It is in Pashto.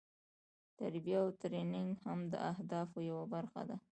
تربیه او ټریننګ هم د اهدافو یوه برخه ده.